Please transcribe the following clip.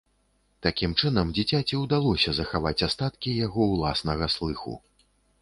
Такім чынам, дзіцяці ўдалося захаваць астаткі яго ўласнага слыху.